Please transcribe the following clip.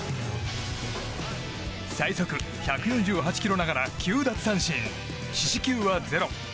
最速１４８キロながら９奪三振、四死球はゼロ。